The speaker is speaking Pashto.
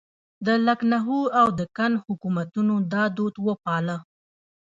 د لکنهو او دکن حکومتونو دا دود وپاله.